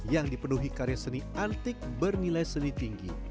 yang dipenuhi karya seni antik bernilai seni tinggi